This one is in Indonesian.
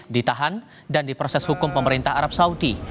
ditahan dan diproses hukum pemerintah arab saudi